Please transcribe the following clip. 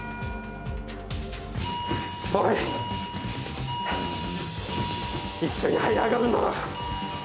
おい、一緒にはい上がるんだろう